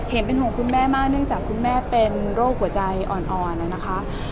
เห็นเป็นห่วงคุณแม่มากเนื่องจากคุณแม่เป็นโรคหัวใจอ่อนนะคะ